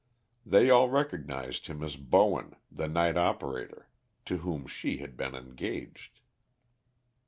They all recognised him as Bowen, the night operator, to whom she had been engaged.